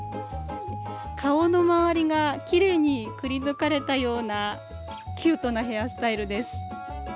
顔のまわりがきれいにくり抜かれたようなキュートなヘアスタイルです。